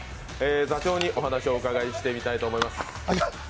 座長にお話をお伺いしてみたいと思います。